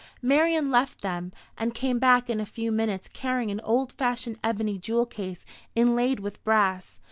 Marian left them, and came back in a few minutes carrying an old fashioned ebony jewel case, inlaid with brass.